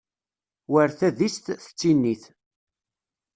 War tadist tettinit.